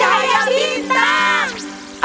pengirian cahaya bintang